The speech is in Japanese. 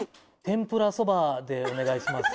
天ぷらそばでお願いします